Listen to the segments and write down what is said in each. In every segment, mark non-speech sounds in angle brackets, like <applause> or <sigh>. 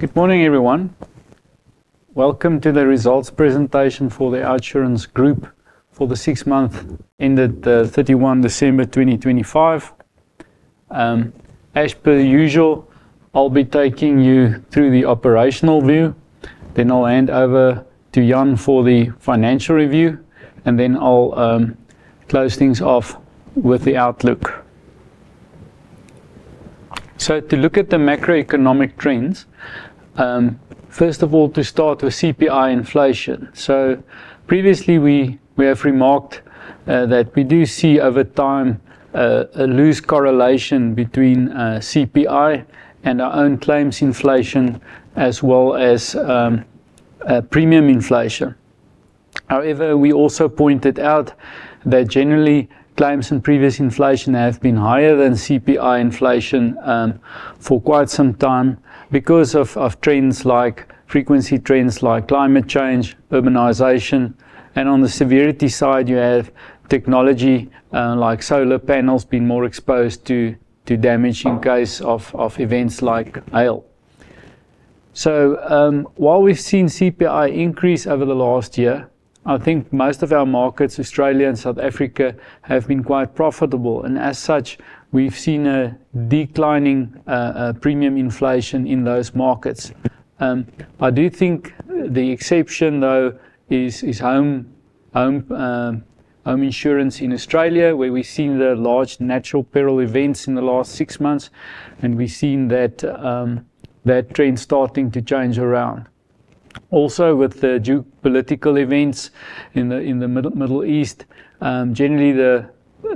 Good morning, everyone. Welcome to the results presentation for the OUTsurance Group for the six months ended 31 December 2025. As per usual, I'll be taking you through the operational view, then I'll hand over to Jan for the financial review, and then I'll close things off with the outlook. To look at the macroeconomic trends, first of all, to start with CPI inflation. Previously we have remarked that we do see over time a loose correlation between CPI and our own claims inflation as well as premium inflation. However, we also pointed out that generally claims and premium inflation have been higher than CPI inflation for quite some time because of trends like frequency, like climate change, urbanization. On the severity side, you have technology like solar panels being more exposed to damage in case of events like hail. While we've seen CPI increase over the last year, I think most of our markets, Australia and South Africa, have been quite profitable. As such, we've seen a declining premium inflation in those markets. I do think the exception though is home insurance in Australia, where we've seen the large natural peril events in the last six months, and we've seen that trend starting to change around. Also, with the geopolitical events in the Middle East, generally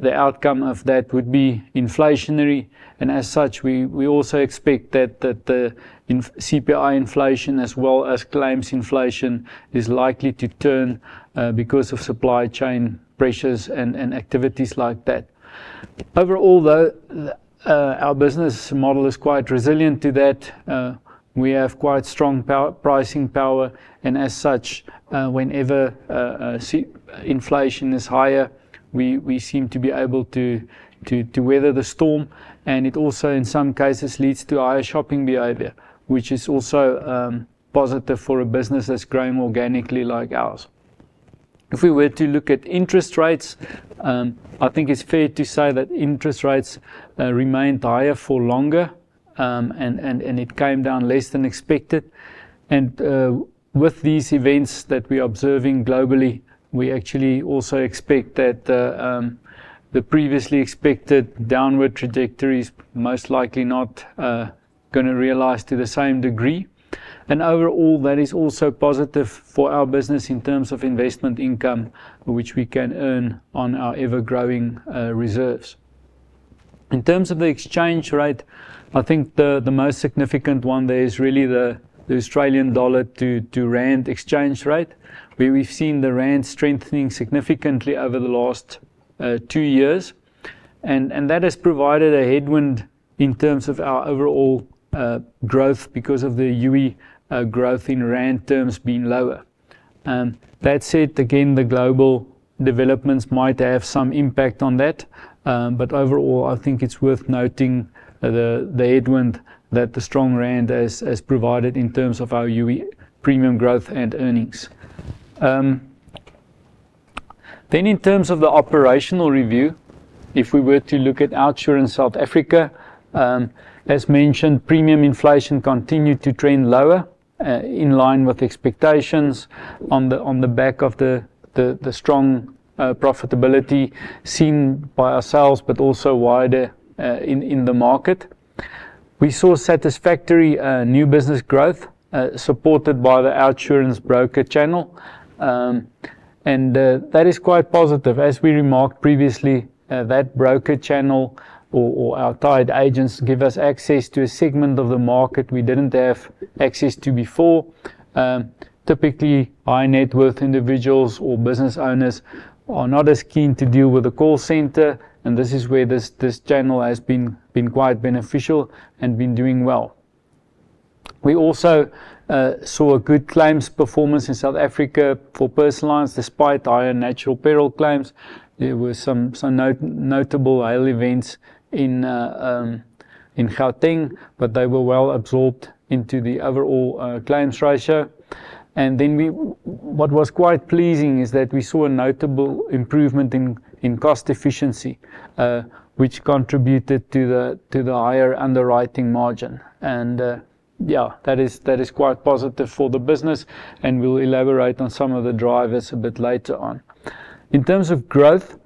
the outcome of that would be inflationary. As such, we also expect that the inf... CPI inflation as well as claims inflation is likely to turn, because of supply chain pressures and activities like that. Overall, though, our business model is quite resilient to that. We have quite strong pricing power. As such, whenever inflation is higher, we seem to be able to weather the storm. It also in some cases leads to higher shopping behavior, which is also positive for a business that's growing organically like ours. If we were to look at interest rates, I think it's fair to say that interest rates remained higher for longer, and it came down less than expected. With these events that we are observing globally, we actually also expect that the previously expected downward trajectory is most likely not gonna realize to the same degree. Overall, that is also positive for our business in terms of Investment income, which we can earn on our ever-growing reserves. In terms of the exchange rate, I think the most significant one there is really the Australian dollar to rand exchange rate, where we've seen the rand strengthening significantly over the last two years. That has provided a headwind in terms of our overall growth because of the Youi growth in rand terms being lower. That said, again, the global developments might have some impact on that. Overall, I think it's worth noting the headwind that the strong rand has provided in terms of our Youi premium growth and earnings. In terms of the operational review, if we were to look at OUTsurance in South Africa, as mentioned, premium inflation continued to trend lower in line with expectations on the back of the strong profitability seen by ourselves but also wider in the market. We saw satisfactory new business growth supported by the OUTsurance broker channel. That is quite positive. As we remarked previously, that broker channel or outside agents give us access to a segment of the market we didn't have access to before. Typically, high-net-worth individuals or business owners are not as keen to deal with a call center, and this is where this channel has been quite beneficial and been doing well. We also saw a good claims performance in South Africa for Personal Lines despite higher natural peril claims. There were some notable hail events in Gauteng, but they were well absorbed into the overall claims ratio. What was quite pleasing is that we saw a notable improvement in cost efficiency, which contributed to the higher underwriting margin. That is quite positive for the business, and we'll elaborate on some of the drivers a bit later on. In terms of growth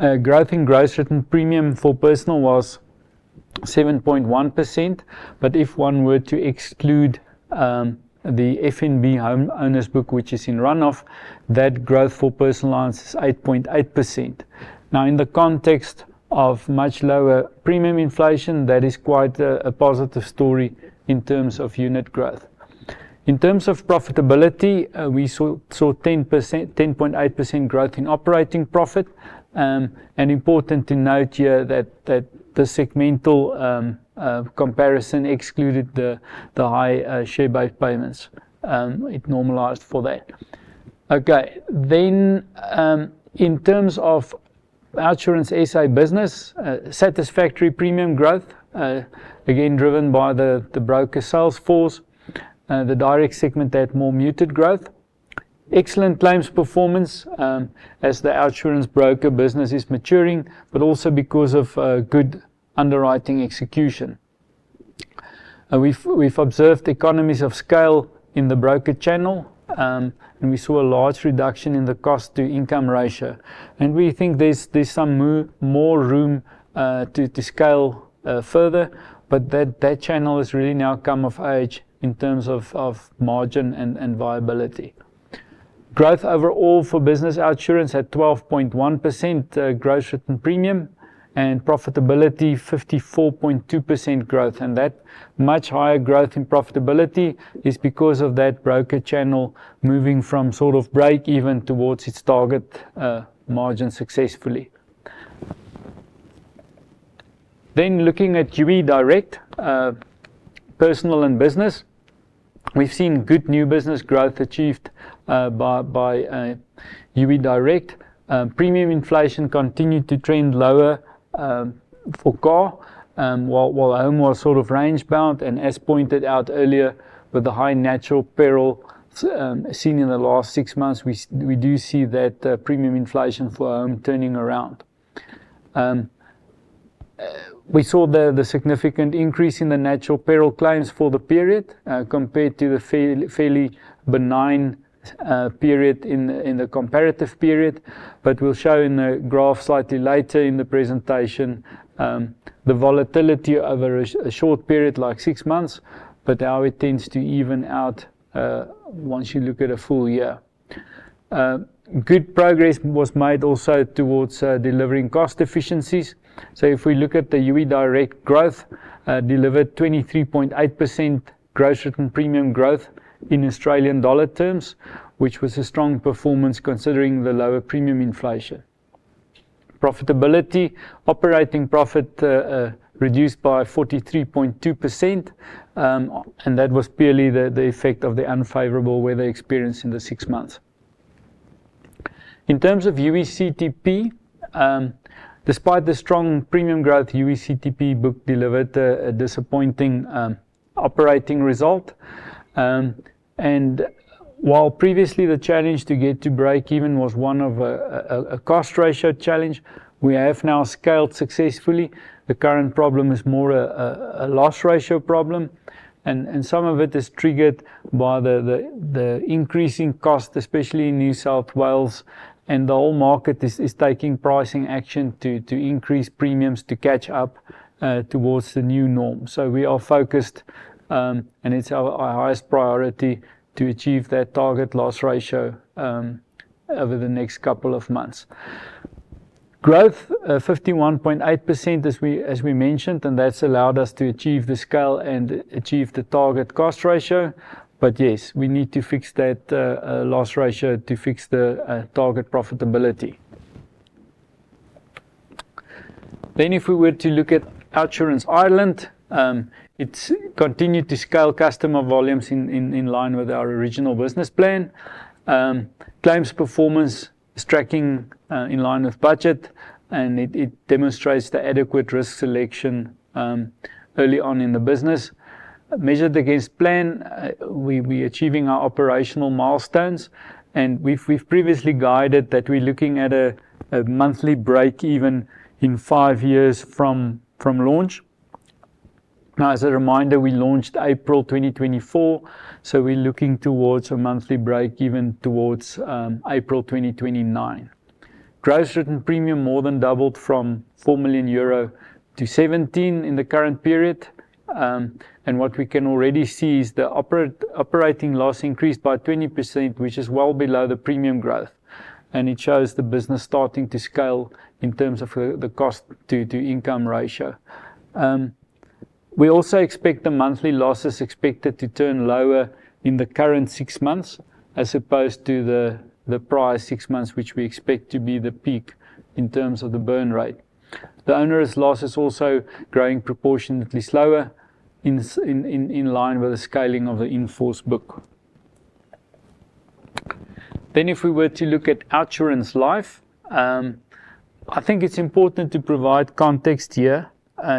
in gross written premium for Personal was 7.1%. If one were to exclude the FNB Homeowners book, which is in run-off, that growth for Personal Lines is 8.8%. Now, in the context of much lower premium inflation, that is quite a positive story in terms of unit growth. In terms of profitability, we saw 10.8% growth in operating profit. Important to note here that the segmental comparison excluded the high share-based payments. It normalized for that. In terms of our OUTsurance SA business, satisfactory premium growth, again, driven by the broker sales force. The Direct segment had more muted growth. Excellent claims performance, as the OUTsurance Broker business is maturing, but also because of good underwriting execution. We've observed economies of scale in the broker channel, and we saw a large reduction in the cost-to-income ratio. We think there's some more room to scale further, but that channel has really now come of age in terms of margin and viability. Growth overall for OUTsurance Business had 12.1% gross written premium, and profitability 54.2% growth. That much higher growth in profitability is because of that broker channel moving from sort of breakeven towards its target margin successfully. Looking at OUTsurance Direct Personal and Business, we've seen good new business growth achieved by OUTsurance Direct. Premium inflation continued to trend lower for car while home was sort of range bound, and as pointed out earlier with the high natural peril seen in the last six months, we do see that premium inflation for home turning around. We saw the significant increase in the natural peril claims for the period compared to the fairly benign period in the comparative period. We'll show in a graph slightly later in the presentation the volatility over a short period, like six months, but how it tends to even out once you look at a full year. Good progress was made also towards delivering cost efficiencies. If we look at the Youi growth, delivered 23.8% gross written premium growth in Australian dollar terms, which was a strong performance considering the lower premium inflation. Operating profit reduced by 43.2%, and that was purely the effect of the unfavorable weather experience in the six months. In terms of Youi CTP, despite the strong premium growth, Youi CTP book delivered a disappointing operating result. While previously the challenge to get to breakeven was one of a cost ratio challenge, we have now scaled successfully. The current problem is more a loss ratio problem and some of it is triggered by the increasing cost, especially in New South Wales, and the whole market is taking pricing action to increase premiums to catch up towards the new norm. We are focused and it's our highest priority to achieve that target loss ratio over the next couple of months. Growth 51.8%, as we mentioned, and that's allowed us to achieve the scale and achieve the target cost ratio. Yes, we need to fix that loss ratio to fix the target profitability. If we were to look at OUTsurance Ireland, it's continued to scale customer volumes in line with our original business plan. Claims performance is tracking in line with budget, and it demonstrates the adequate risk selection early on in the business. Measured against plan, we achieving our operational milestones, and we've previously guided that we're looking at a monthly breakeven in five years from launch. Now, as a reminder, we launched April 2024, so we're looking towards a monthly breakeven towards April 2029. Gross written premium more than doubled from 4 million-17 million euro in the current period, and what we can already see is the operating loss increased by 20%, which is well below the premium growth, and it shows the business starting to scale in terms of the cost-to-income ratio. We also expect the monthly losses expected to turn lower in the current six months as opposed to the prior six months, which we expect to be the peak in terms of the burn rate. The onerous loss is also growing proportionately slower in line with the scaling of the in-force book. If we were to look at OUTsurance Life, I think it's important to provide context here,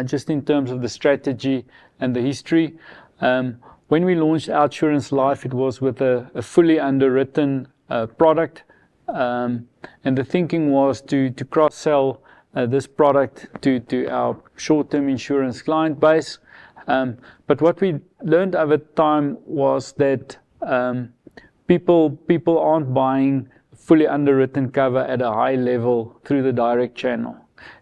just in terms of the strategy and the history. When we launched OUTsurance Life, it was with a fully underwritten product, and the thinking was to cross-sell this product to our short-term insurance client base. What we learned over time was that people aren't buying fully underwritten cover at a high level through the Direct channel.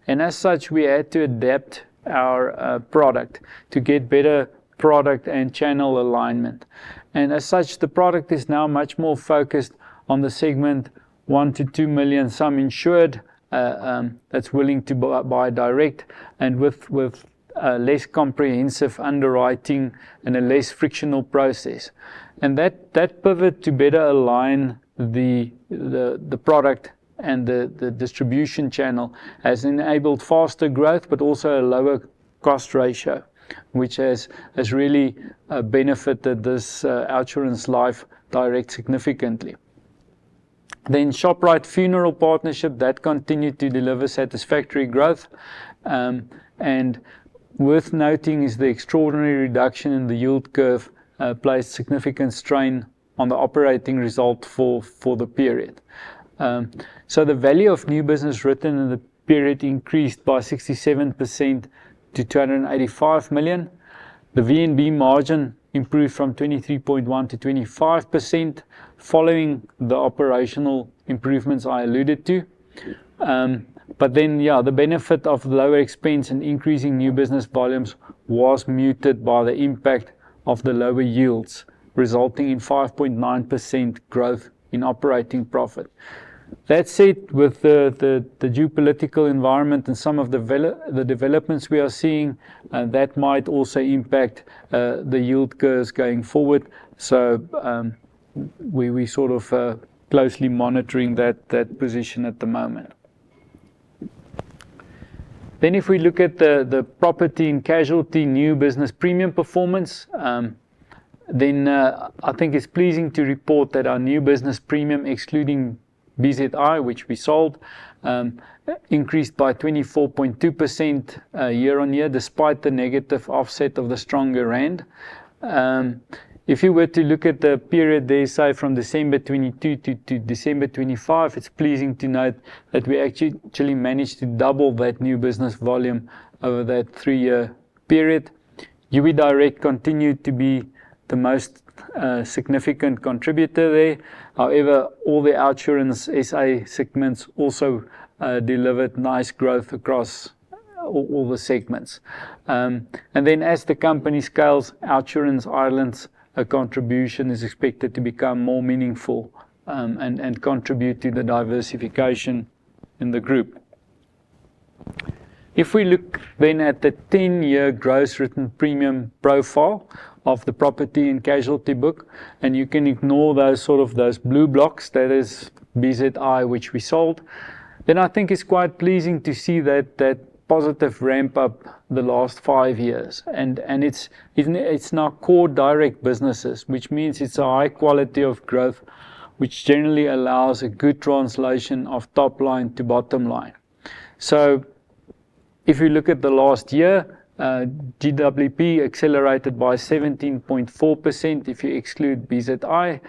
As such, we had to adapt our product to get better product and channel alignment. As such, the product is now much more focused on the segment 1-2 million sum insured, that's willing to buy direct and with less comprehensive underwriting and a less frictional process. That pivot to better align the product and the distribution channel has enabled faster growth but also a lower cost ratio, which has really benefited this OUTsurance Life direct significantly. Shoprite Funeral partnership continued to deliver satisfactory growth. Worth noting is the extraordinary reduction in the yield curve placed significant strain on the operating result for the period. The value of new business written in the period increased by 67% to 285 million. The VNB margin improved from 23.1 to 25% following the operational improvements I alluded to. The benefit of lower expense and increasing new business volumes was muted by the impact of the lower yields, resulting in 5.9% growth in operating profit. That said, with the geopolitical environment and some of the developments we are seeing, that might also impact the yield curves going forward. We sort of closely monitoring that position at the moment. If we look at the Property and Casualty new business premium performance, I think it's pleasing to report that our new business premium, excluding BZI, which we sold, increased by 24.2%, year-on-year, despite the negative offset of the stronger rand. If you were to look at the period there say from December 2022 to December 2025, it's pleasing to note that we actually managed to double that new business volume over that three-year period. Youi continued to be the most significant contributor there. However, all the OUTsurance SA segments also delivered nice growth across all the segments. As the company scales, OUTsurance Ireland's contribution is expected to become more meaningful and contribute to the diversification in the group. If we look then at the ten-year gross written premium profile of the property and casualty book, and you can ignore those sort of those blue blocks, that is BZI, which we sold, then I think it's quite pleasing to see that positive ramp up the last five years. It's now core direct businesses, which means it's a high quality of growth, which generally allows a good translation of top line to bottom line. If you look at the last year, GWP accelerated by 17.4% if you exclude BZI.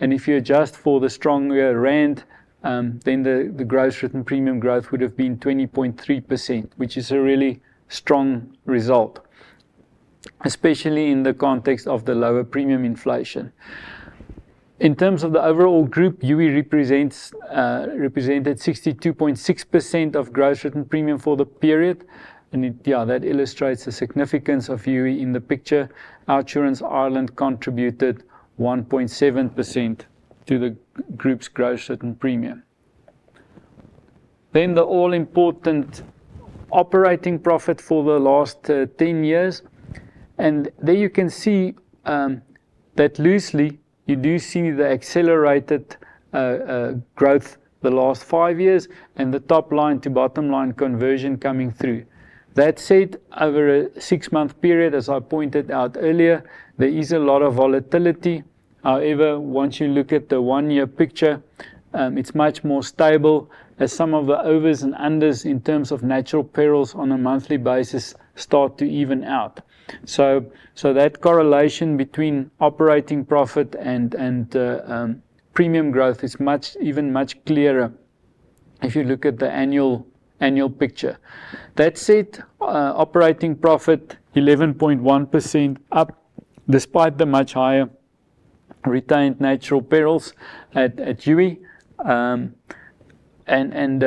If you adjust for the stronger rand, then the gross written premium growth would have been 20.3%, which is a really strong result, especially in the context of the lower premium inflation. In terms of the overall group, Youi represented 62.6% of gross written premium for the period. It yeah that illustrates the significance of Youi in the picture. OUTsurance Ireland contributed 1.7% to the group's gross written premium. The all-important operating profit for the last ten years. There you can see that loosely, you do see the accelerated growth the last five years and the top line to bottom line conversion coming through. That said, over a six-month period, as I pointed out earlier, there is a lot of volatility. However, once you look at the one-year picture, it's much more stable as some of the overs and unders in terms of natural perils on a monthly basis start to even out. So that correlation between operating profit and premium growth is much clearer if you look at the annual picture. That said, operating profit 11.1% up despite the much higher retained natural perils at Youi, and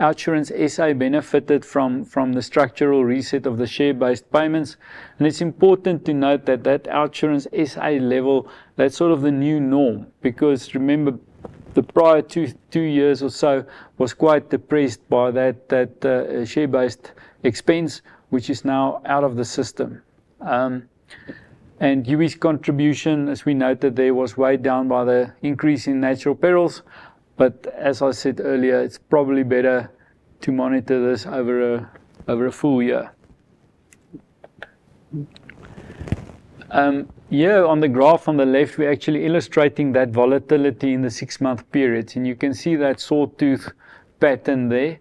OUTsurance SA benefited from the structural reset of the share-based payments. It's important to note that OUTsurance SA level, that's sort of the new norm, because remember the prior two years or so was quite depressed by that share-based expense, which is now out of the system. Youi's contribution, as we noted there, was weighed down by the increase in natural perils. As I said earlier, it's probably better to monitor this over a full year. Here on the graph on the left, we're actually illustrating that volatility in the six-month periods, and you can see that sawtooth pattern there,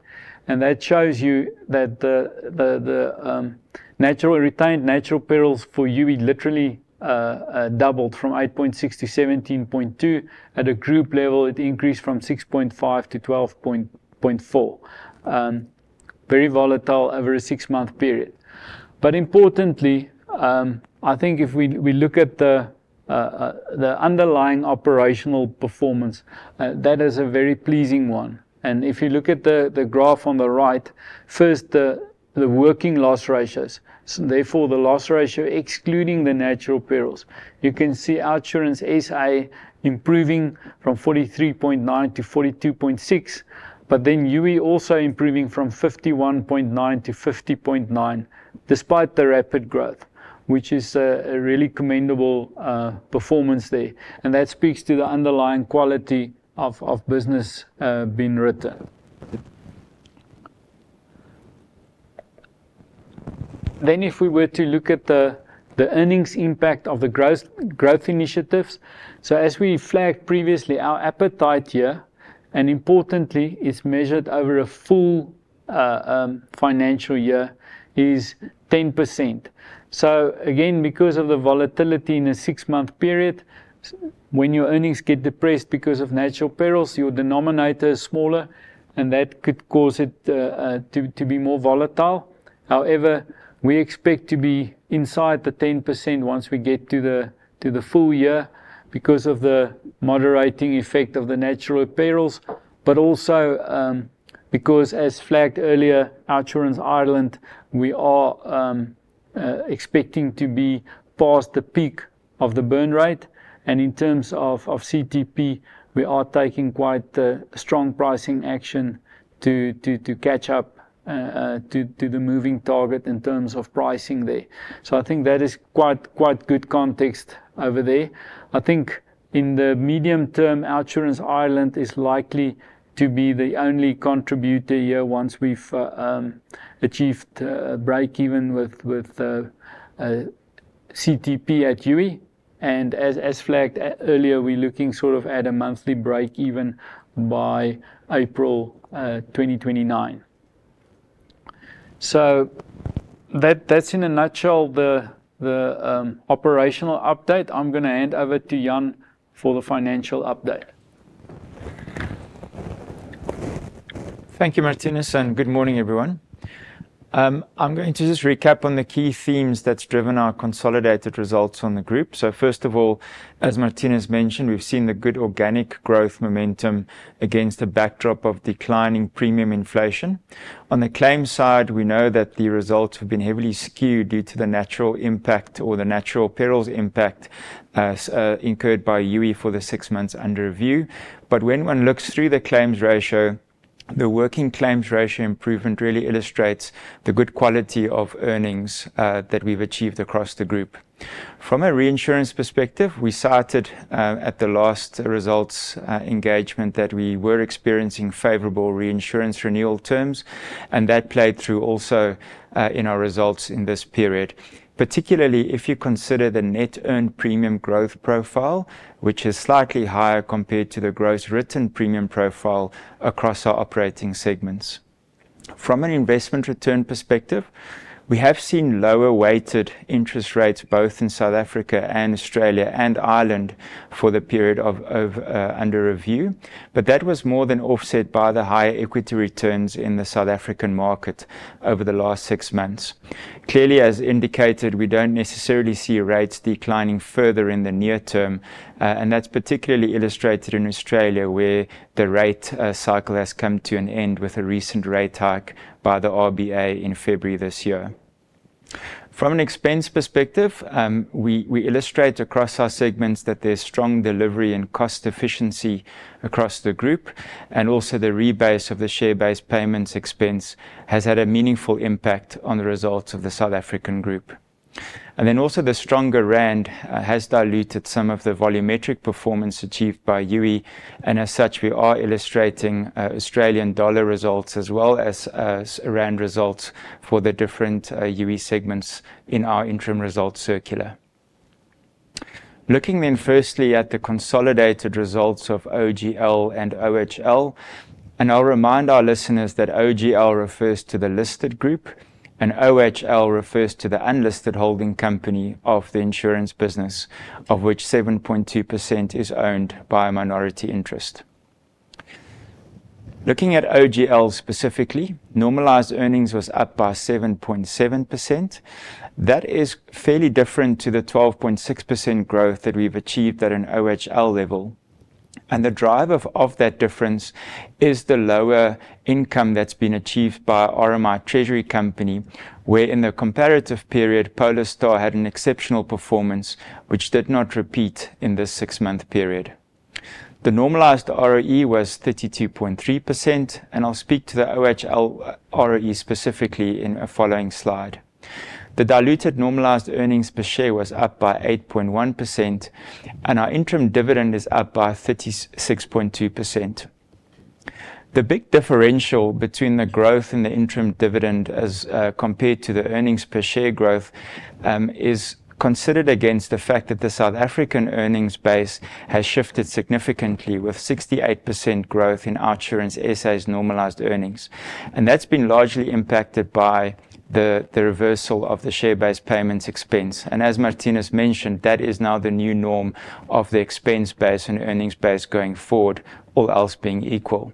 and that shows you that the net retained natural perils for Youi literally doubled from 8.6-17.2. At a group level, it increased from 6.5-12.4. Very volatile over a six-month period. Importantly, I think if we look at the underlying operational performance, that is a very pleasing one. If you look at the graph on the right, first the working loss ratios, so therefore the loss ratio excluding the natural perils. You can see OUTsurance SA improving from 43.9%-42.6%, but then Youi also improving from 51.9%-50.9% despite the rapid growth. Which is a really commendable performance there. That speaks to the underlying quality of business being written. If we were to look at the earnings impact of the growth initiatives, as we flagged previously, our appetite here, and importantly it's measured over a full financial year, is 10%. Again, because of the volatility in a six-month period, when your earnings get depressed because of natural perils, your denominator is smaller and that could cause it to be more volatile. However, we expect to be inside the 10% once we get to the full year because of the moderating effect of the natural perils. Also, because as flagged earlier, OUTsurance Ireland, we are expecting to be past the peak of the burn rate. In terms of CTP, we are taking quite the strong pricing action to catch up to the moving target in terms of pricing there. I think that is quite good context over there. I think in the medium term, OUTsurance Ireland is likely to be the only contributor here once we've achieved a break even with CTP at Youi. As flagged earlier, we're looking sort of at a monthly break even by April 2029. That's in a nutshell the operational update. I'm gonna hand over to Jan for the financial update. Thank you, Marthinus, and good morning, everyone. I'm going to just recap on the key themes that's driven our consolidated results on the group. First of all, as Marthinus mentioned, we've seen the good organic growth momentum against a backdrop of declining premium inflation. On the claims side, we know that the results have been heavily skewed due to the natural impact or the natural perils impact incurred by Youi for the six months under review. When one looks through the claims ratio, the working claims ratio improvement really illustrates the good quality of earnings that we've achieved across the group. From a reinsurance perspective, we cited at the last results engagement that we were experiencing favorable reinsurance renewal terms, and that played through also in our results in this period. Particularly if you consider the net earned premium growth profile, which is slightly higher compared to the gross written premium profile across our operating segments. From an Investment return perspective, we have seen lower weighted interest rates both in South Africa and Australia and Ireland for the period under review. That was more than offset by the higher equity returns in the South African market over the last six months. Clearly, as indicated, we don't necessarily see rates declining further in the near term, and that's particularly illustrated in Australia, where the rate cycle has come to an end with a recent rate hike by the RBA in February this year. From an expense perspective, we illustrate across our segments that there's strong delivery and cost efficiency across the group, and also the rebase of the share-based payments expense has had a meaningful impact on the results of the South African group. Also the stronger rand has diluted some of the volumetric performance achieved by Youi, and as such, we are illustrating Australian dollar results as well as rand results for the different Youi segments in our interim results circular. Looking firstly at the consolidated results of OGL and OHL, and I'll remind our listeners that OGL refers to the listed group and OHL refers to the unlisted holding company of the Insurance business, of which 7.2% is owned by a minority interest. Looking at OGL specifically, normalized earnings was up by 7.7%. That is fairly different to the 12.6% growth that we've achieved at an OHL level. The driver of that difference is the lower income that's been achieved by RMI Treasury Company, where in the comparative period, PolarStar had an exceptional performance which did not repeat in this six-month period. The normalized ROE was 32.3%, and I'll speak to the OHL ROE specifically in a following slide. The diluted normalized earnings per share was up by 8.1%, and our interim dividend is up by 36.2%. The big differential between the growth and the interim dividend as compared to the earnings per share growth is considered against the fact that the South African earnings base has shifted significantly with 68% growth in OUTsurance SA's normalized earnings. That's been largely impacted by the reversal of the share-based payments expense. As Marthinus mentioned, that is now the new norm of the expense base and earnings base going forward or else being equal.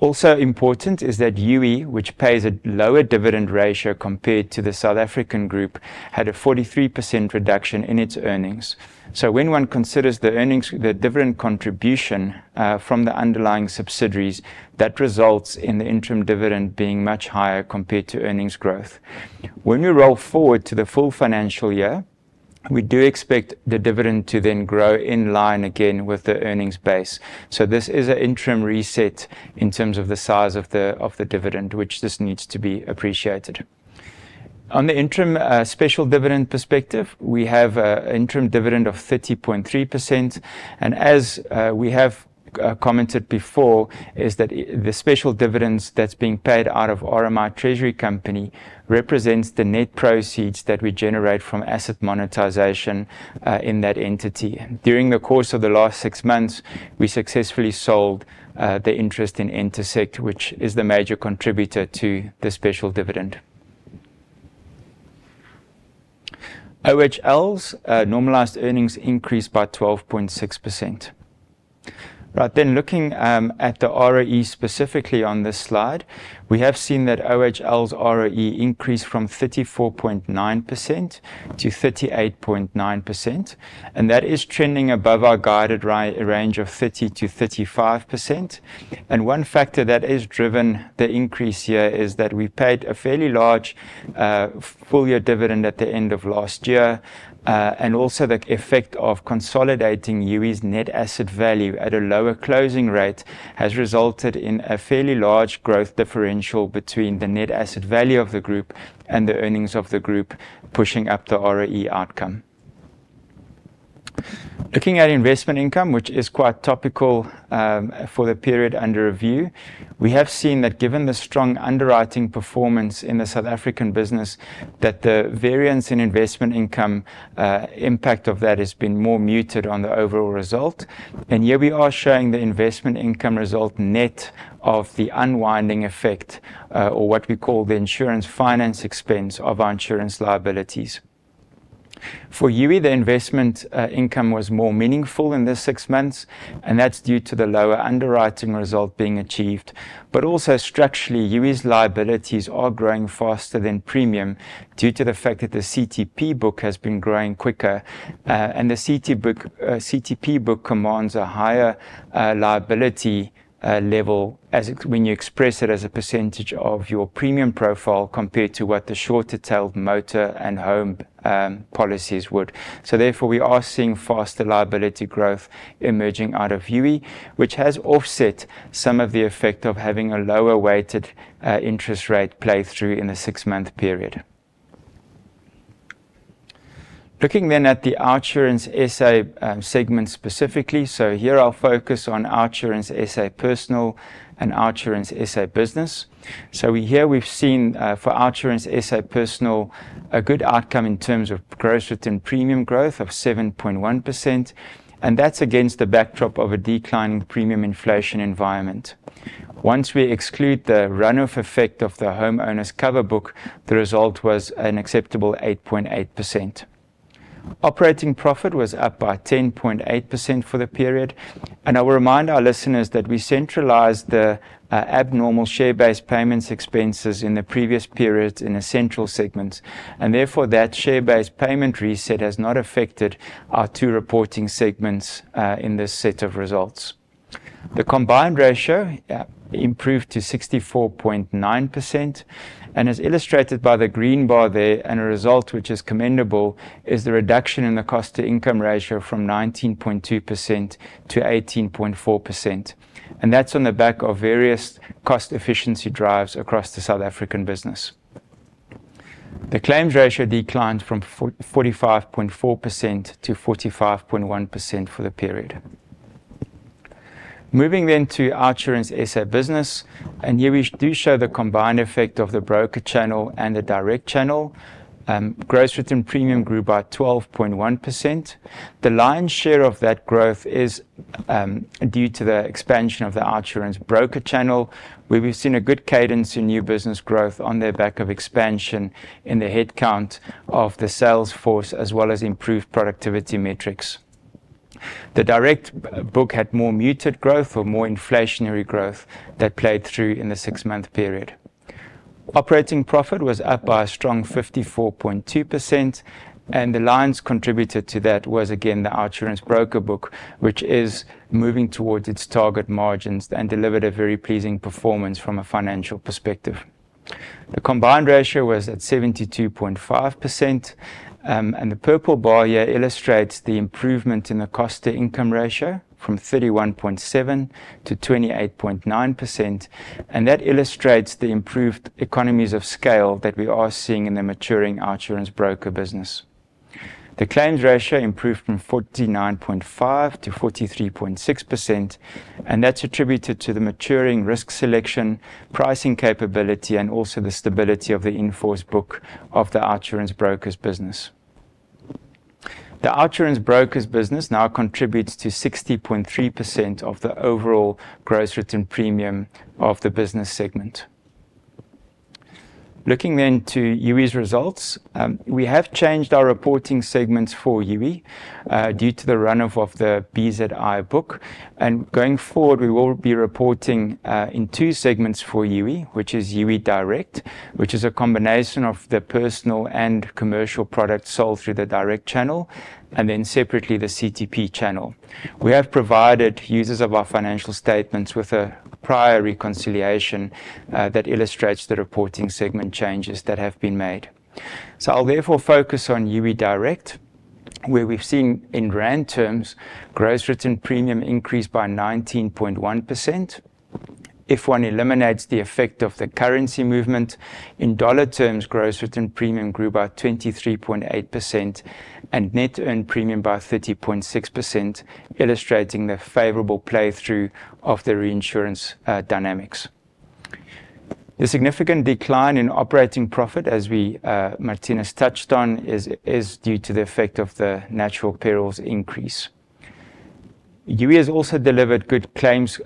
Also important is that Youi, which pays a lower dividend ratio compared to the South African group, had a 43% reduction in its earnings. When one considers the earnings, the dividend contribution from the underlying subsidiaries, that results in the interim dividend being much higher compared to earnings growth. When we roll forward to the full financial year, we do expect the dividend to then grow in line again with the earnings base. This is an interim reset in terms of the size of the dividend, which this needs to be appreciated. On the interim special dividend perspective, we have interim dividend of 30.3. As we have commented before, is that the special dividends that's being paid out of RMI Treasury Company represents the net proceeds that we generate from asset monetization in that entity. During the course of the last six months, we successfully sold the interest in Entersekt, which is the major contributor to the special dividend. OHL's normalized earnings increased by 12.6%. Right then, looking at the ROE specifically on this slide, we have seen that OHL's ROE increase from 34.9% to 38.9%, and that is trending above our guided range of 30%-35%. One factor that has driven the increase here is that we paid a fairly large full year dividend at the end of last year. The effect of consolidating Youi's net asset value at a lower closing rate has resulted in a fairly large growth differential between the net asset value of the group and the earnings of the group pushing up the ROE outcome. Looking at Investment income, which is quite topical, for the period under review, we have seen that given the strong underwriting performance in the South African business, that the variance in Investment income, impact of that has been more muted on the overall result. Here we are showing the Investment income result net of the unwinding effect, or what we call the insurance finance expense of our insurance liabilities. For Youi, the Investment, income was more meaningful in this six months, and that's due to the lower underwriting result being achieved. Also structurally, Youi's liabilities are growing faster than premium due to the fact that the CTP book has been growing quicker, and the CTP book commands a higher liability level as it when you express it as a percentage of your premium profile compared to what the shorter tailed motor and home policies would. Therefore, we are seeing faster liability growth emerging out of Youi, which has offset some of the effect of having a lower weighted interest rate play through in the six-month period. Looking at the OUTsurance SA segment specifically. Here I'll focus on OUTsurance SA Personal and OUTsurance Business. Here we've seen for OUTsurance Personal a good outcome in terms of gross written premium growth of 7.1%, and that's against the backdrop of a declining premium inflation environment. Once we exclude the run-off effect of the FNB Homeowners book, the result was an acceptable 8.8%. Operating profit was up by 10.8% for the period. I will remind our listeners that we centralized the abnormal share-based payments expenses in the previous periods in the central segments, and therefore that share-based payment reset has not affected our two reporting segments in this set of results. The combined ratio improved to 64.9% and is illustrated by the green bar there. A result which is commendable is the reduction in the cost-to-income ratio from 19.2% to 18.4%, and that's on the back of various cost efficiency drives across the South African business. The claims ratio declined from 45.4% to 45.1% for the period. Moving to OUTsurance SA Business, and here we do show the combined effect of the broker channel and the direct channel. Gross written premium grew by 12.1%. The lion's share of that growth is due to the expansion of the OUTsurance broker channel, where we've seen a good cadence in new business growth on the back of expansion in the headcount of the sales force, as well as improved productivity metrics. The direct book had more muted growth or more inflationary growth that played through in the six-month period. Operating profit was up by a strong 54.2%, and the lion's contributor to that was again the OUTsurance broker book, which is moving towards its target margins and delivered a very pleasing performance from a financial perspective. The combined ratio was at 72.5%, and the purple bar here illustrates the improvement in the cost-to-income ratio from 31.7% to 28.9%. That illustrates the improved economies of scale that we are seeing in the maturing OUTsurance Broker business. The claims ratio improved from 49.5% to 43.6%, and that's attributed to the maturing risk selection, pricing capability, and also the stability of the in-force book of the OUTsurance Brokers business. The OUTsurance Brokers business now contributes to 60.3% of the overall gross written premium of the business segment. Looking then to Youi's results, we have changed our reporting segments for Youi due to the run-off of the BZI book. Going forward, we will be reporting in two segments for Youi, which is Youi Direct, which is a combination of the Personal and Commercial products sold through the direct channel. Then separately, the CTP channel. We have provided users of our financial statements with a prior reconciliation that illustrates the reporting segment changes that have been made. I'll therefore focus on Youi Direct, where we've seen in rand terms, gross written premium increased by 19.1%. If one eliminates the effect of the currency movement, in Australian dollar terms, gross written premium grew by 23.8% and net earned premium by 30.6%, illustrating the favorable pass-through of the reinsurance dynamics. The significant decline in operating profit, as Marthinus touched on, is due to the effect of the natural perils increase. Youi has also delivered good claims,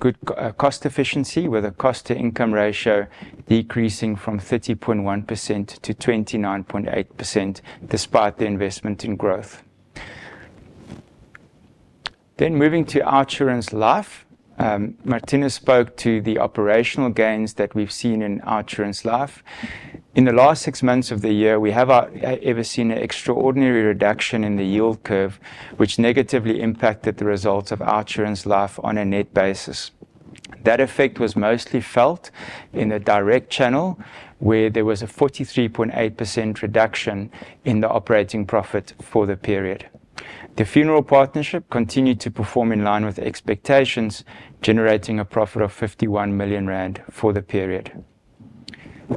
good cost efficiency, with a cost-to-income ratio decreasing from 30.1% to 29.8% despite the investment in growth. Moving to OUTsurance Life. Marthinus spoke to the operational gains that we've seen in OUTsurance Life. In the last six months of the year, we have never seen an extraordinary reduction in the yield curve, which negatively impacted the results of OUTsurance Life on a net basis. That effect was mostly felt in the direct channel, where there was a 43.8% reduction in the operating profit for the period. The Funeral partnership continued to perform in line with expectations, generating a profit of 51 million rand for the period.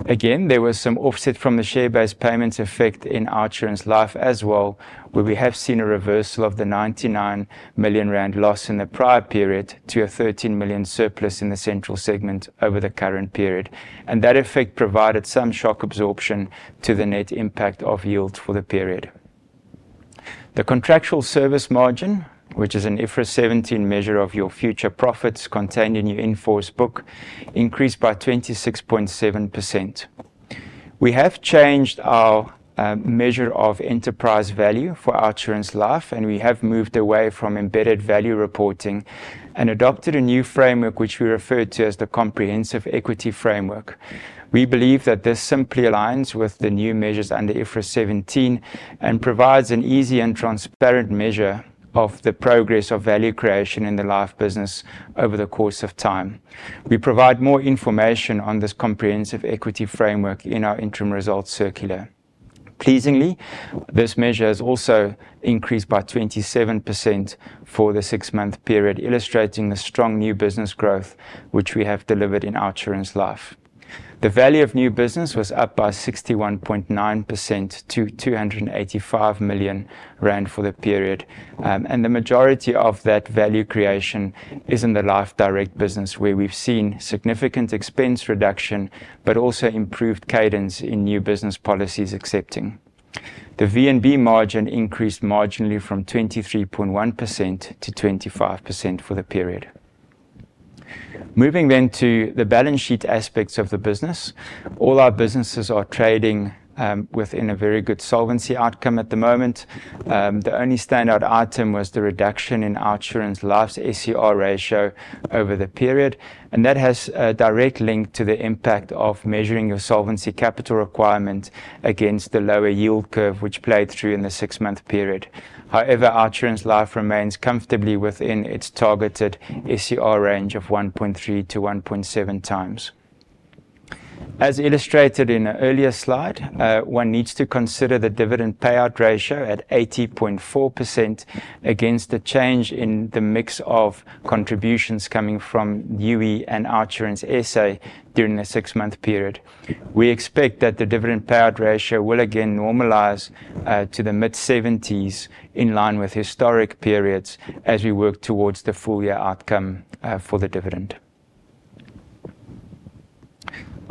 Again, there was some offset from the share-based payment effect in OUTsurance Life as well, where we have seen a reversal of the 99 million rand loss in the prior period to a 13 million surplus in the central segment over the current period. That effect provided some shock absorption to the net impact of yields for the period. The contractual service margin, which is an IFRS 17 measure of your future profits contained in your in-force book, increased by 26.7%. We have changed our measure of enterprise value for OUTsurance Life, and we have moved away from embedded value reporting and adopted a new framework which we refer to as the comprehensive equity framework. We believe that this simply aligns with the new measures under IFRS 17 and provides an easy and transparent measure of the progress of value creation in the Life business over the course of time. We provide more information on this comprehensive equity framework in our interim results circular. Pleasingly, this measure has also increased by 27% for the six-month period, illustrating the strong new business growth which we have delivered in OUTsurance Life. The value of new business was up by 61.9% to 285 million rand for the period. The majority of that value creation is in the Life Direct business, where we've seen significant expense reduction but also improved cadence in new business policies acceptance. The VNB margin increased marginally from 23.1% to 25% for the period. Moving to the balance sheet aspects of the business. All our businesses are trading within a very good solvency outcome at the moment. The only standout item was the reduction in OUTsurance Life's SCR ratio over the period, and that has a direct link to the impact of measuring your solvency capital requirement against the lower yield curve which played through in the six-month period. However, OUTsurance Life remains comfortably within its targeted SCR range of 1.3-1.7x. As illustrated in an earlier slide, one needs to consider the dividend payout ratio at 80.4% against the change in the mix of contributions coming from Youi and OUTsurance SA during the six-month period. We expect that the dividend payout ratio will again normalize to the mid-70s% in line with historical periods as we work towards the full year outcome for the dividend.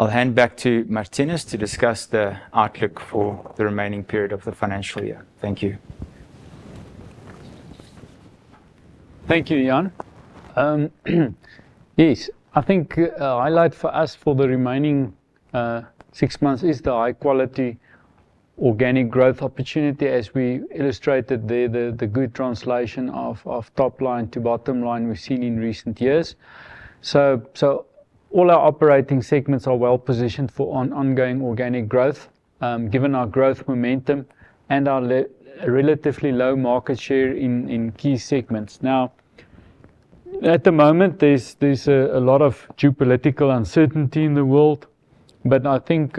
I'll hand back to Marthinus to discuss the outlook for the remaining period of the financial year. Thank you. Thank you, Jan. Yes. I think a highlight for us for the remaining six months is the high-quality organic growth opportunity as we illustrated there, the good translation of top line to bottom line we've seen in recent years. All our operating segments are well positioned for ongoing organic growth, given our growth momentum and our relatively low market share in key segments. Now, at the moment, there's a lot of geopolitical uncertainty in the world. I think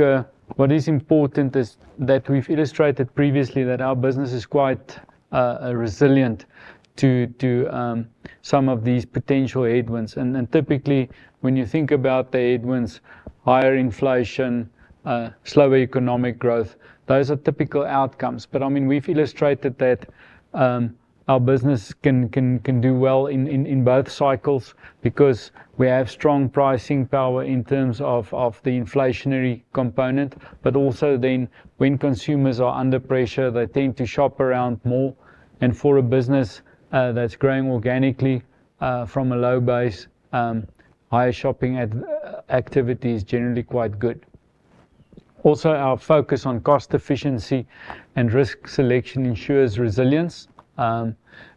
what is important is that we've illustrated previously that our business is quite resilient to some of these potential headwinds. Typically, when you think about the headwinds, higher inflation, slower economic growth, those are typical outcomes. I mean, we've illustrated that our business can do well in both cycles because we have strong pricing power in terms of the inflationary component. Also then when consumers are under pressure, they tend to shop around more. For a business that's growing organically from a low base, higher shopping activity is generally quite good. Also, our focus on cost efficiency and risk selection ensures resilience, and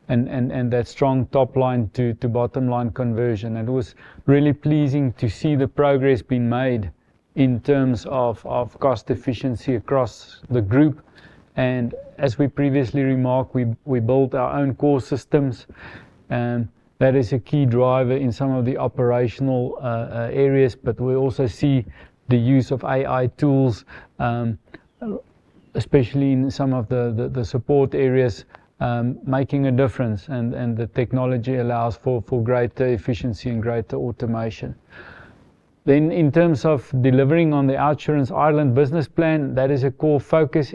that strong top line to bottom-line conversion. It was really pleasing to see the progress being made in terms of cost efficiency across the group. As we previously remarked, we built our own core systems, and that is a key driver in some of the operational areas. We also see the use of AI tools, especially in some of the support areas, making a difference and the technology allows for greater efficiency and greater automation. In terms of delivering on the OUTsurance Ireland business plan, that is a core focus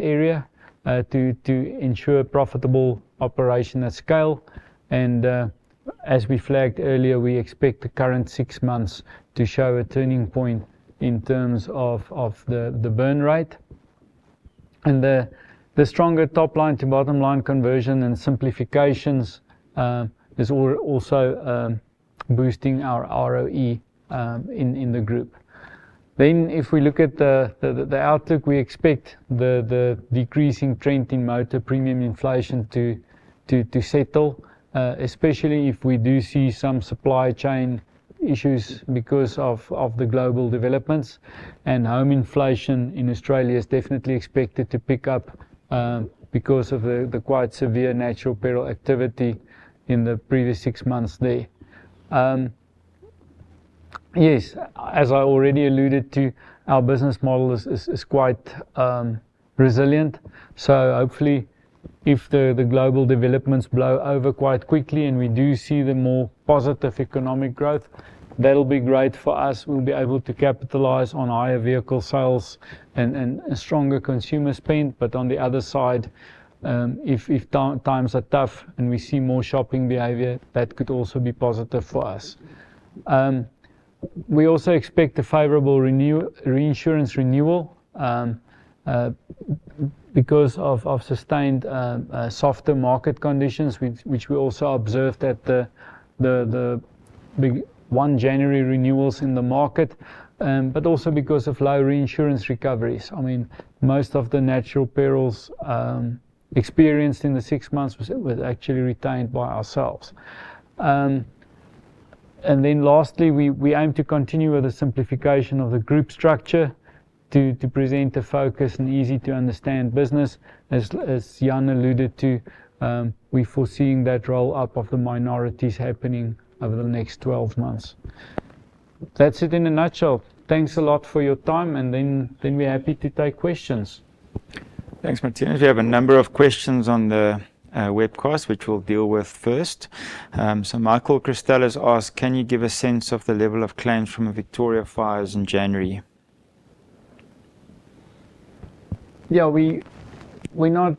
area, to ensure profitable operation at scale. As we flagged earlier, we expect the current six months to show a turning point in terms of the burn rate. The stronger top line to bottom line conversion and simplifications is also boosting our ROE in the group. If we look at the outlook, we expect the decreasing trend in motor premium inflation to settle, especially if we do see some supply chain issues because of the global developments. Home inflation in Australia is definitely expected to pick up, because of the quite severe natural peril activity in the previous six months there. Yes, as I already alluded to, our business model is quite resilient. Hopefully, if the global developments blow over quite quickly and we do see the more positive economic growth, that'll be great for us. We'll be able to capitalize on higher vehicle sales and stronger consumer spend. On the other side, if times are tough and we see more shopping behavior, that could also be positive for us. We also expect a favorable reinsurance renewal, because of sustained softer market conditions, which we also observed at the 1 January renewals in the market, but also because of low reinsurance recoveries. I mean, most of the natural perils experienced in the six months was actually retained by ourselves. Lastly, we aim to continue with the simplification of the group structure to present a focus and easy to understand business. As Jan alluded to, we're foreseeing that roll up of the minorities happening over the next 12 months. That's it in a nutshell. Thanks a lot for your time and then we're happy to take questions. Thanks, Matt. We have a number of questions on the webcast which we'll deal with first. Michael Christelis asked, "Can you give a sense of the level of claims from the Victoria fires in January? Yeah, we're not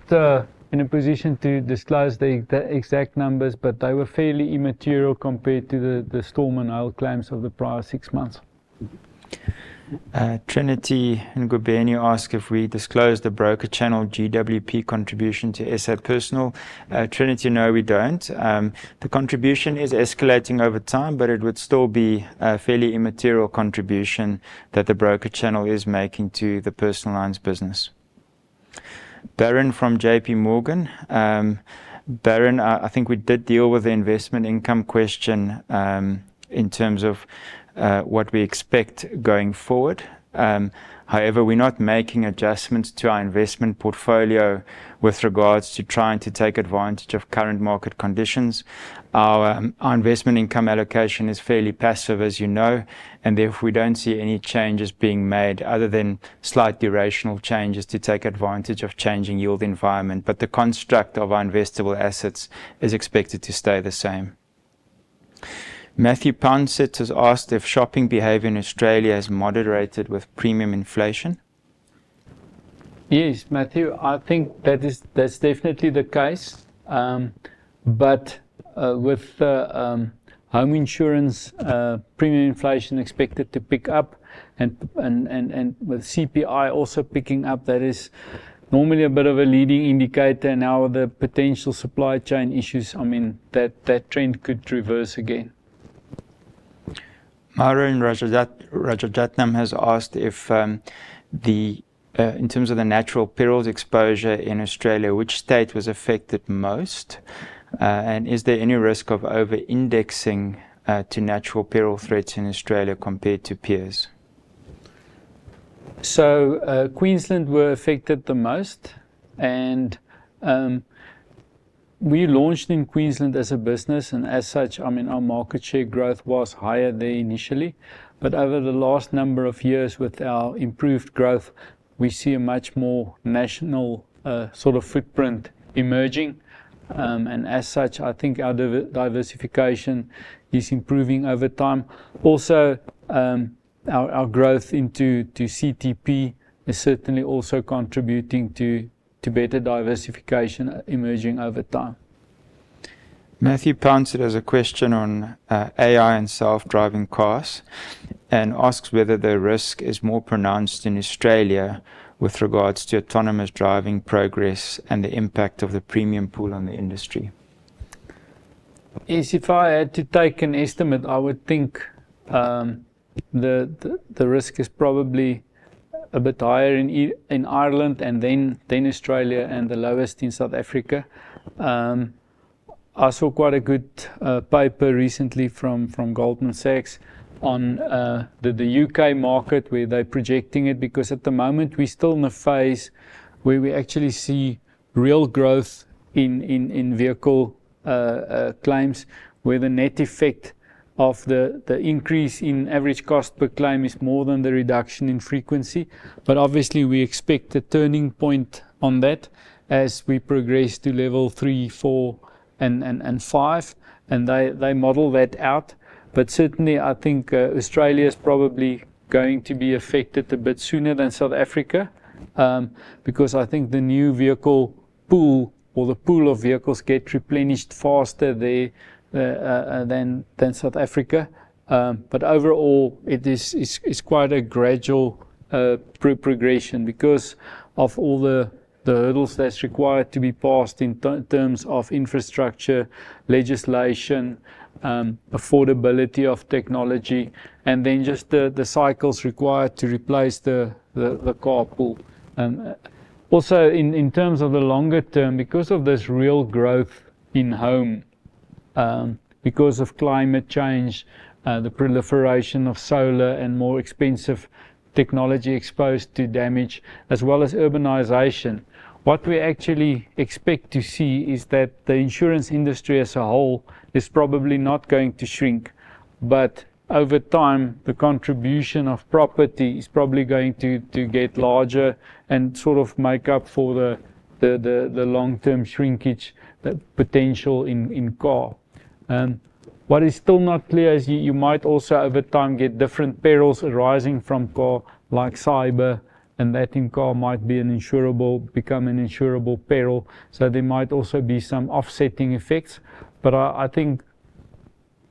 in a position to disclose the exact numbers, but they were fairly immaterial compared to the storm and hail claims of the prior six months. Trinity Ngubeni asked if we disclosed the broker channel GWP contribution to SA Personal. Trinity, no, we don't. The contribution is escalating over time, but it would still be a fairly immaterial contribution that the broker channel is making to the Personal Lines business. Darren from JPMorgan. Darren, I think we did deal with the Investment income question, in terms of, what we expect going forward. However, we're not making adjustments to our Investment portfolio with regards to trying to take advantage of current market conditions. Our Investment income allocation is fairly passive, as you know, and therefore, we don't see any changes being made other than slight durational changes to take advantage of changing yield environment. The construct of our investable assets is expected to stay the same. Matthew Pouncett has asked if shopping behavior in Australia has moderated with premium inflation. Yes, Matthew, I think that's definitely the case. With the home insurance premium inflation expected to pick up and with CPI also picking up, that is normally a bit of a leading indicator. Now, the potential supply chain issues, I mean, that trend could reverse again. Mara and Raja Jatham have asked if, in terms of the natural perils exposure in Australia, which state was affected most, and is there any risk of over-indexing to natural peril threats in Australia compared to peers? Queensland were affected the most, and we launched in Queensland as a business, and as such, I mean, our market share growth was higher there initially. Over the last number of years with our improved growth, we see a much more national, sort of footprint emerging. As such, I think our diversification is improving over time. Also, our growth into CTP is certainly also contributing to better diversification emerging over time. Matthew Pouncett has a question on AI and self-driving cars and asks whether the risk is more pronounced in Australia with regards to autonomous driving progress and the impact of the premium pool on the industry. Yes, if I had to take an estimate, I would think the risk is probably a bit higher in Ireland and then Australia and the lowest in South Africa. I saw quite a good paper recently from Goldman Sachs on the U.K. market where they're projecting it, because at the moment we're still in a phase where we actually see real growth in vehicle claims where the net effect of the increase in average cost per claim is more than the reduction in frequency. Obviously we expect a turning point on that as we progress to level three, four and five, and they model that out. Certainly I think, Australia's probably going to be affected a bit sooner than South Africa, because I think the new vehicle pool or the pool of vehicles get replenished faster there, than South Africa. Overall it is, it's quite a gradual progression because of all the hurdles that's required to be passed in terms of infrastructure, legislation, affordability of technology, and then just the cycles required to replace the car pool. Also in terms of the longer term, because of this real growth in home, because of climate change, the proliferation of solar and more expensive technology exposed to damage as well as urbanization, what we actually expect to see is that the insurance industry as a whole is probably not going to shrink, but over time the contribution of property is probably going to get larger and sort of make up for the long-term shrinkage potential in car. What is still not clear is you might also over time get different perils arising from car like cyber and that in car might become an insurable peril, so there might also be some offsetting effects. I think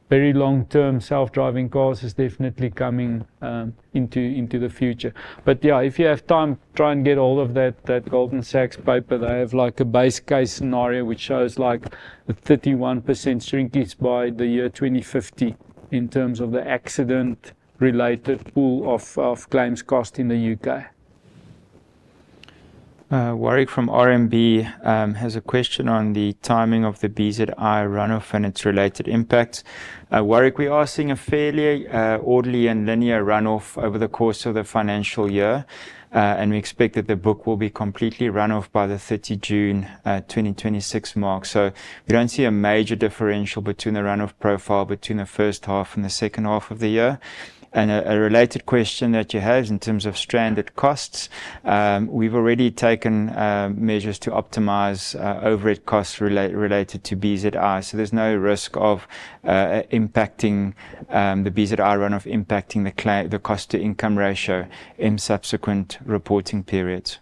very long-term self-driving cars is definitely coming into the future. Yeah, if you have time, try and get a hold of that Goldman Sachs paper. They have like a base case scenario which shows like a 31% shrinkage by the year 2050 in terms of the accident related pool of claims cost in the U.K. Warwick from RMB has a question on the timing of the BZI runoff and its related impact. Warwick, we are seeing a fairly orderly and linear runoff over the course of the financial year, and we expect that the book will be completely run off by the 30 June 2026 mark. We don't see a major differential between the runoff profile between the first half and the second half of the year. A related question that you have is in terms of stranded costs. We've already taken measures to optimize overhead costs related to BZI, so there's no risk of the BZI runoff impacting the cost-to-income ratio in subpsequent reporting periods.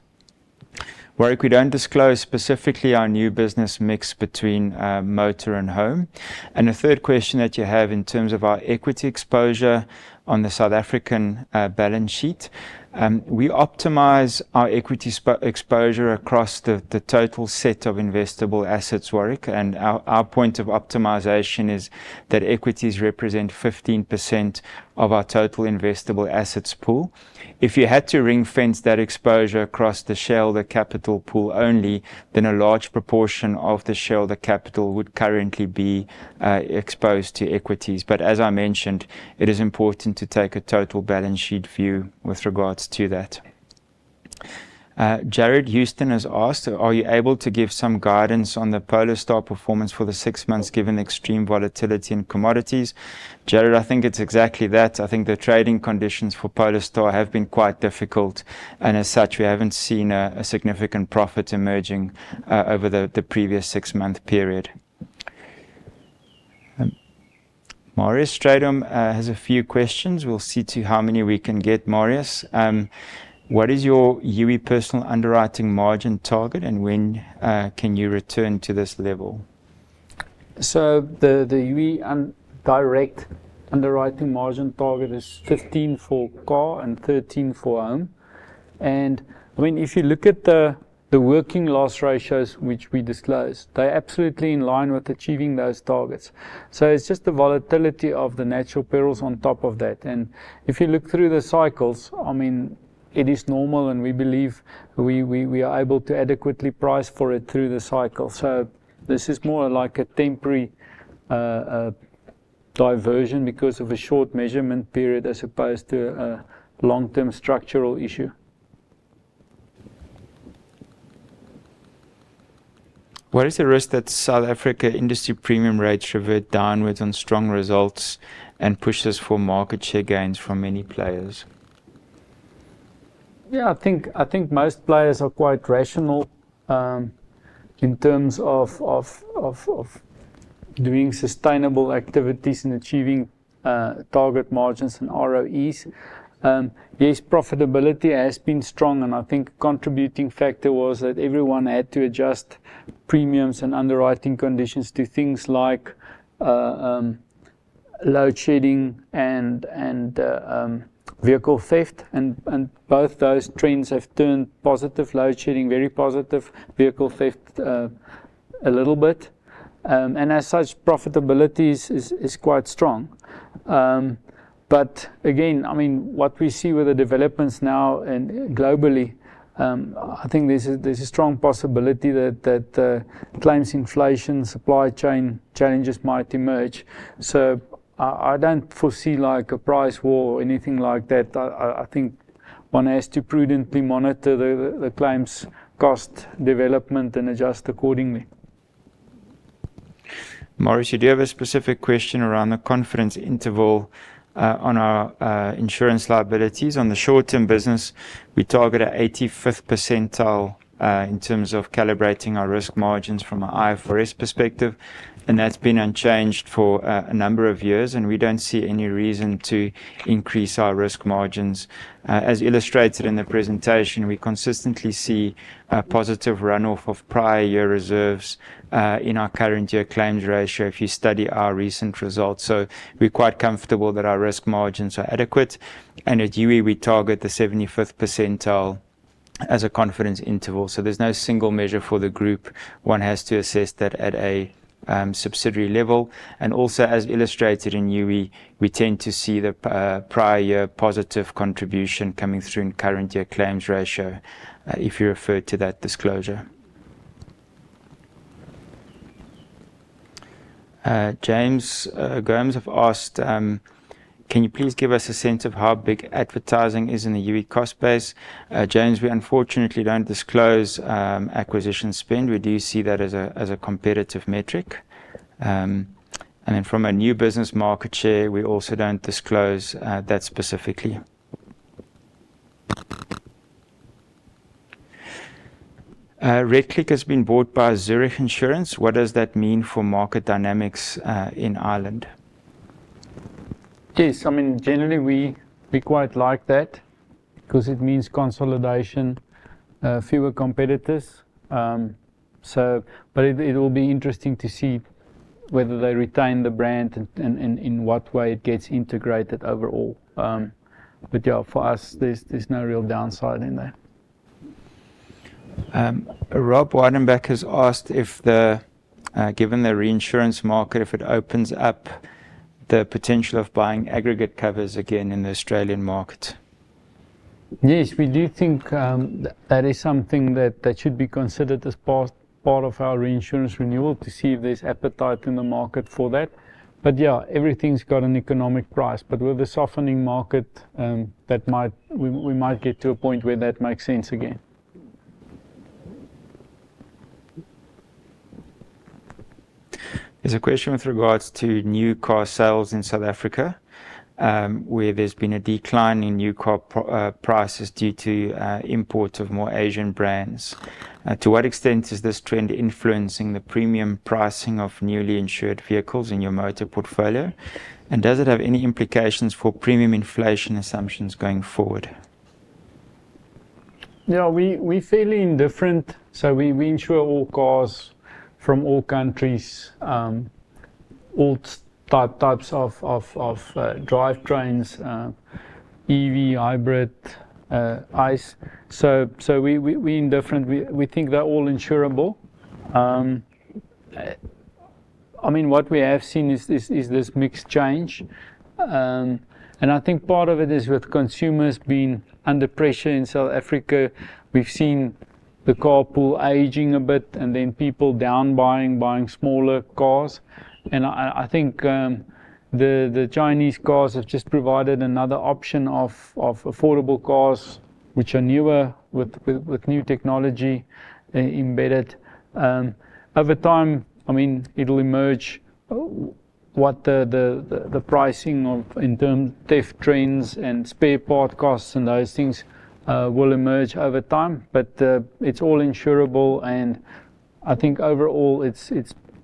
Warwick, we don't disclose specifically our new business mix between motor and home. A third question that you have in terms of our equity exposure on the South African balance sheet. We optimize our equity exposure across the total set of investable assets, Warwick. Our point of optimization is that equities represent 15% of our total investable assets pool. If you had to ring-fence that exposure across the shareholder capital pool only, then a large proportion of the shareholder capital would currently be exposed to equities. But as I mentioned, it is important to take a total balance sheet view with regards to that. Jarred Houston has asked, "Are you able to give some guidance on the PolarStar performance for the six months given extreme volatility in commodities?" Jarred, I think it's exactly that. I think the trading conditions for PolarStar have been quite difficult, and as such, we haven't seen a significant profit emerging over the previous six-month period. Marius Strydom has a few questions. We'll see to how many we can get, Marius. What is your OUTsurance Personal underwriting margin target and when can you return to this level? The Youi Direct underwriting margin target is 15% for Car and 13% for Home. I mean, if you look at the working loss ratios which we disclosed, they're absolutely in line with achieving those targets. It's just the volatility of the natural perils on top of that. If you look through the cycles, I mean, it is normal and we believe we are able to adequately price for it through the cycle. This is more like a temporary diversion because of a short measurement period as opposed to a long-term structural issue. What is the risk that South African industry premium rates revert downwards on strong results and pushes for market share gains from many players? Yeah, I think most players are quite rational in terms of doing sustainable activities and achieving target margins and ROEs. Yes, profitability has been strong and I think contributing factor was that everyone had to adjust premiums and underwriting conditions to things like load shedding and vehicle theft. Both those trends have turned positive, load shedding very positive, vehicle theft a little bit. As such, profitability is quite strong. Again, I mean, what we see with the developments now and globally, I think there's a strong possibility that claims inflation, supply chain challenges might emerge. I don't foresee like a price war or anything like that. I think one has to prudently monitor the claims cost development and adjust accordingly. Marius Strydom, you do have a specific question around the confidence interval on our insurance liabilities. On the short-term business, we target 85th percentile in terms of calibrating our risk margins from an IFRS perspective, and that's been unchanged for a number of years, and we don't see any reason to increase our risk margins. As illustrated in the presentation, we consistently see a positive run-off of prior year reserves in our current year claims ratio if you study our recent results. We're quite comfortable that our risk margins are adequate. At Youi, we target the 75th percentile as a confidence interval. There's no single measure for the group. One has to assess that at a subsidiary level. As illustrated in Youi, we tend to see the prior year positive contribution coming through in current year claims ratio, if you refer to that disclosure. James Grigor has asked, can you please give us a sense of how big advertising is in the Youi cost base? James, we unfortunately don't disclose acquisition spend. We do see that as a competitive metric. And then from a new business market share, we also don't disclose that specifically. RedClick has been bought by Zurich Insurance Group. What does that mean for market dynamics in Ireland? Yes. I mean, generally, we quite like that because it means consolidation, fewer competitors. It will be interesting to see whether they retain the brand and in what way it gets integrated overall. Yeah, for us, there's no real downside in that. Rob <audio distortion> has asked, given the reinsurance market, if it opens up the potential of buying aggregate covers again in the Australian market. Yes, we do think that is something that should be considered as part of our reinsurance renewal to see if there's appetite in the market for that. Yeah, everything's got an economic price. With the softening market, we might get to a point where that makes sense again. There's a question with regards to new car sales in South Africa, where there's been a decline in new car prices due to import of more Asian brands. To what extent is this trend influencing the premium pricing of newly insured vehicles in your motor portfolio? And does it have any implications for premium inflation assumptions going forward? Yeah, we're fairly indifferent. We insure all cars from all countries, all types of drivetrains, EV, hybrid, ICE. We're indifferent. We think they're all insurable. I mean, what we have seen is this mixed change. I think part of it is with consumers being under pressure in South Africa. We've seen the car parc aging a bit and then people downgrading, buying smaller cars. I think the Chinese cars have just provided another option of affordable cars which are newer with new technology embedded. Over time, I mean, it'll emerge what the pricing in terms of theft trends and spare part costs and those things will emerge over time. It's all insurable, and I think overall it's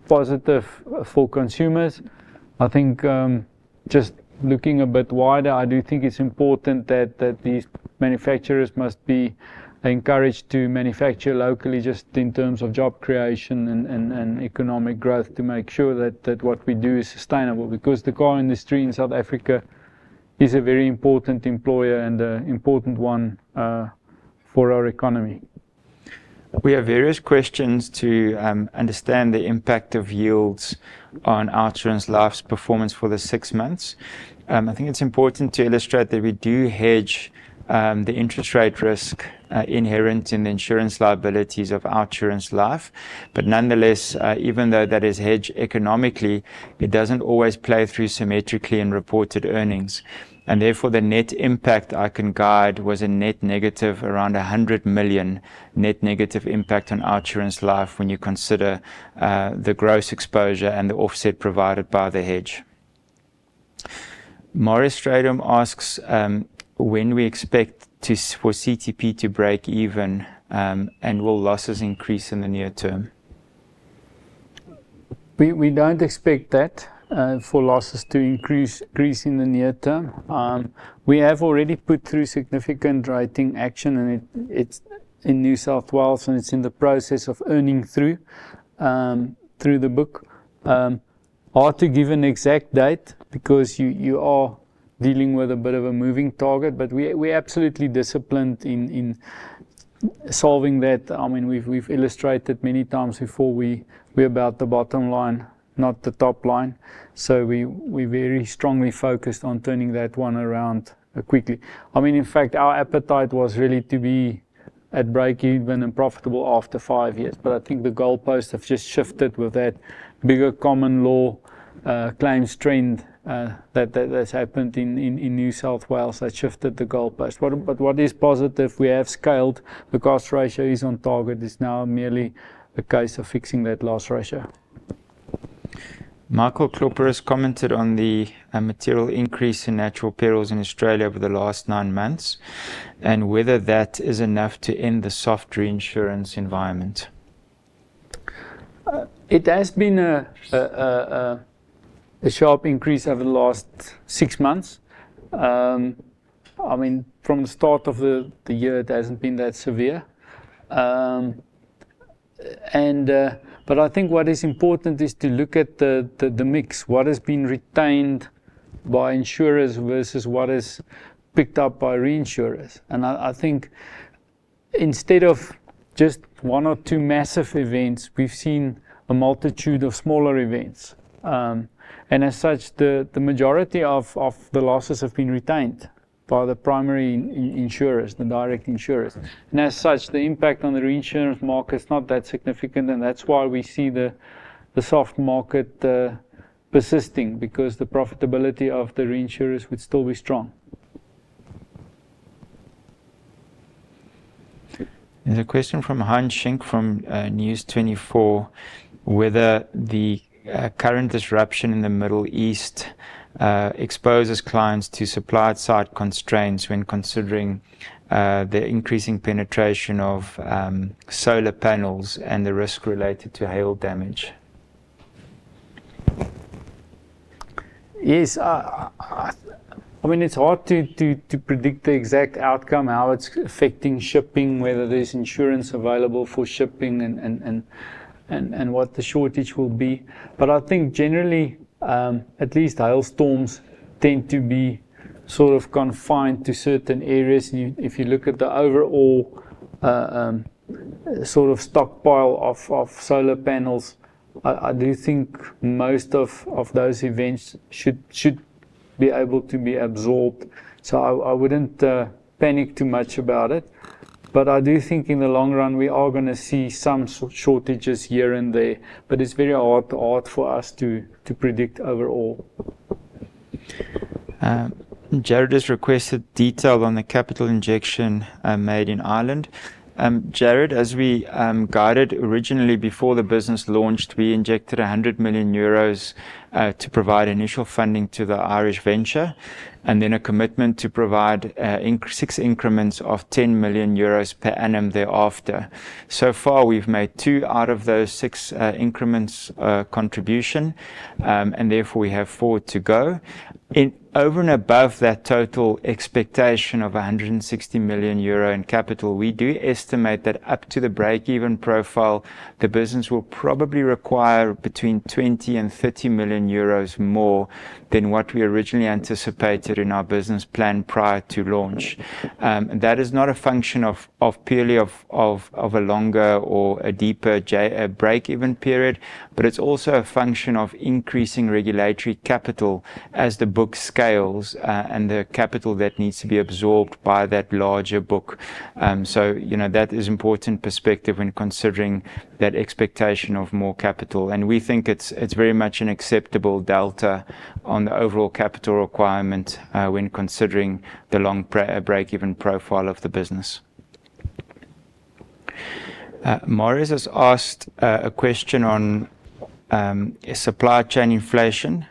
positive for consumers. I think, just looking a bit wider, I do think it's important that these manufacturers must be encouraged to manufacture locally just in terms of job creation and economic growth to make sure that what we do is sustainable because the car industry in South Africa is a very important employer and an important one for our economy. We have various questions to understand the impact of yields on OUTsurance Life's performance for the six months. I think it's important to illustrate that we do hedge the interest rate risk inherent in the insurance liabilities of OUTsurance Life. Nonetheless, even though that is hedged economically, it doesn't always play through symmetrically in reported earnings. Therefore, the net impact I can guide was a net negative around 100 million impact on OUTsurance Life when you consider the gross exposure and the offset provided by the hedge. Marius Strydom asks when we expect for CTP to break even and will losses increase in the near term? We don't expect that for losses to increase in the near term. We have already put through significant rating action, and it's in New South Wales, and it's in the process of earning through the book. Hard to give an exact date because you are dealing with a bit of a moving target. We're absolutely disciplined in solving that. I mean, we've illustrated many times before. We're about the bottom line, not the top line. We very strongly focused on turning that one around quickly. I mean, in fact, our appetite was really to be at break-even and profitable after five years. I think the goalposts have just shifted with that bigger common law claims trend that has happened in New South Wales that shifted the goalpost. What is positive: we have scaled the cost ratio, which is on target. It is now merely a case of fixing that loss ratio. Michael Klopper has commented on the material increase in natural perils in Australia over the last nine months, and whether that is enough to end the soft reinsurance environment. It has been a sharp increase over the last six months. I mean, from the start of the year, it hasn't been that severe. I think what is important is to look at the mix. What has been retained by insurers versus what is picked up by reinsurers. I think instead of just one or two massive events, we've seen a multitude of smaller events. As such, the majority of the losses have been retained by the primary insurers, the direct insurers. As such, the impact on the reinsurance market is not that significant, and that's why we see the soft market persisting because the profitability of the reinsurers would still be strong. There's a question from Heinz Schenk from News24 whether the current disruption in the Middle East exposes clients to supply side constraints when considering the increasing penetration of solar panels and the risk related to hail damage. Yes. I mean, it's hard to predict the exact outcome, how it's affecting shipping, whether there's insurance available for shipping and what the shortage will be. I think generally, at least hailstorms tend to be sort of confined to certain areas. If you look at the overall sort of stockpile of solar panels, I do think most of those events should be able to be absorbed. I wouldn't panic too much about it. I do think in the long run, we are gonna see some sort of shortages here and there, but it's very hard for us to predict overall. Jarred has requested detail on the capital injection made in Ireland. Jarred, as we guided originally before the business launched, we injected 100 million euros to provide initial funding to the Irish venture, and then a commitment to provide six increments of 10 million euros per annum thereafter. So far, we've made two out of those six increments contribution, and therefore we have four to go. Over and above that total expectation of 160 million euro in capital, we do estimate that up to the break-even profile, the business will probably require between 20 million and 30 million euros more than what we originally anticipated in our business plan prior to launch. That is not a function of purely a longer or a deeper break-even period, but it's also a function of increasing regulatory capital as the book scales, and the capital that needs to be absorbed by that larger book. So, you know, that is important perspective when considering that expectation of more capital. We think it's very much an acceptable delta on the overall capital requirement, when considering the long break-even profile of the business. Marius has asked a question on supply chain inflation.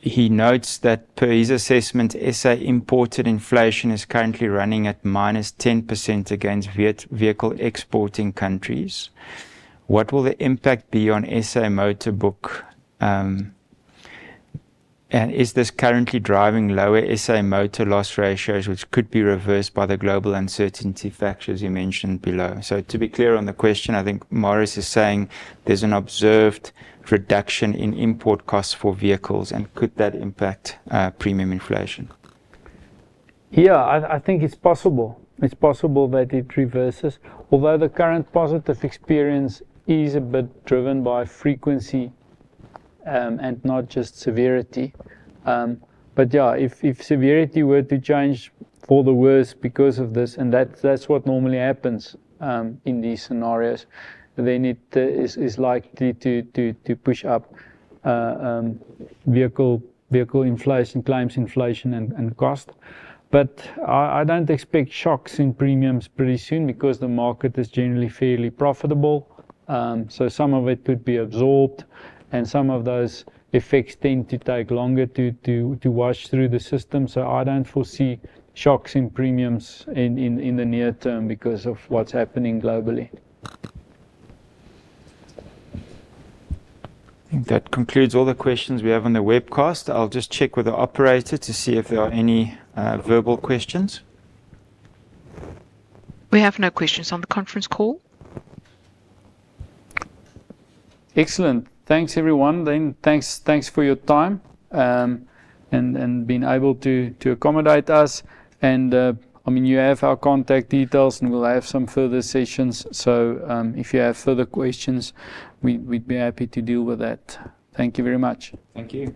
He notes that per his assessment, SA imported inflation is currently running at -10% against vehicle exporting countries. What will the impact be on SA Motor book? Is this currently driving lower SA Motor loss ratios, which could be reversed by the global uncertainty factors you mentioned below? To be clear on the question, I think Marius is saying there's an observed reduction in import costs for vehicles, and could that impact premium inflation? Yeah. I think it's possible. It's possible that it reverses. Although the current positive experience is a bit driven by frequency and not just severity. Yeah, if severity were to change for the worse because of this, and that's what normally happens in these scenarios, then it is likely to push up vehicle inflation, claims inflation, and cost. I don't expect shocks in premiums pretty soon because the market is generally fairly profitable. Some of it could be absorbed, and some of those effects tend to take longer to wash through the system. I don't foresee shocks in premiums in the near term because of what's happening globally. I think that concludes all the questions we have on the webcast. I'll just check with the operator to see if there are any verbal questions. We have no questions on the conference call. Excellent. Thanks, everyone, then. Thanks for your time, and being able to accommodate us. I mean, you have our contact details, and we'll have some further sessions. If you have further questions, we'd be happy to deal with that. Thank you very much. Thank you.